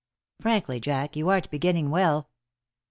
Frankly, Jack, you aren't beginning well."